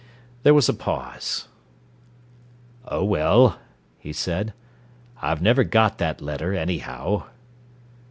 There was a pause. "Oh well," he said. "I've never got that letter, anyhow."